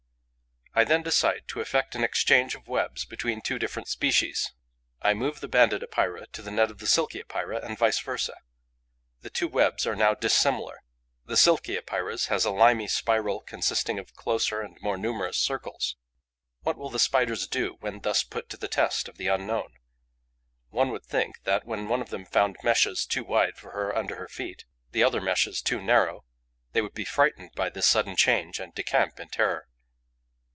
I then decide to effect an exchange of webs between two different species. I move the Banded Epeira to the net of the Silky Epeira and vice versa. The two webs are now dissimilar; the Silky Epeira's has a limy spiral consisting of closer and more numerous circles. What will the Spiders do, when thus put to the test of the unknown? One would think that, when one of them found meshes too wide for her under her feet, the other meshes too narrow, they would be frightened by this sudden change and decamp in terror.